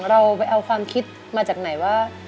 เราไปเอาความคิดมาจากไหนว่า